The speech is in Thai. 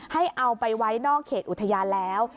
เอาไปไว้นอกเขตอุทยานแล้ว